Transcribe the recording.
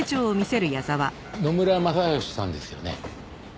野村雅吉さんですよね？